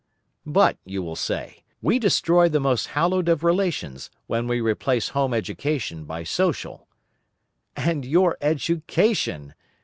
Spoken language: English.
But, you will say, we destroy the most hallowed of relations, when we replace home education by social. And your education!